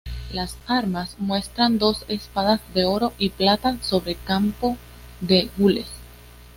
Las armas muestran dos espadas en oro y plata sobre campo de gules.